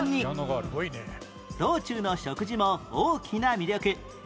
道中の食事も大きな魅力